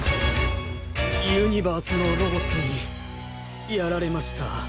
ユニバースのロボットにやられました。